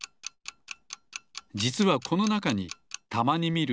じつはこのなかにたまにみる